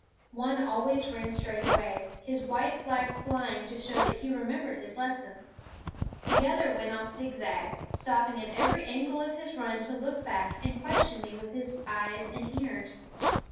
One always ran straight away, his white flag flying to show that he remembered his lesson; the other went off zigzag, stopping at every angle of his run to look back and question me with his eyes and ears.